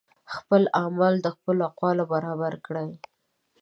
خپل اعمال د خپلو اقوالو برابر کړئ